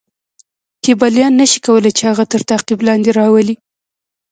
کیبلیان نه شي کولای چې هغه تر تعقیب لاندې راولي.